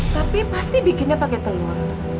tapi pasti bikinnya pakai telur